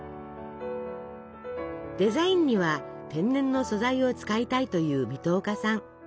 デザインには天然の素材を使いたいという水戸岡さん。